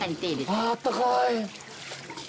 ああったかい。